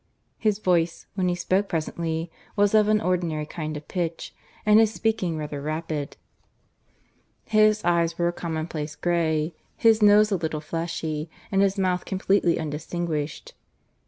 His voice, when he spoke presently, was of an ordinary kind of pitch and his speaking rather rapid; his eyes were a commonplace grey, his nose a little fleshy, and his mouth completely undistinguished.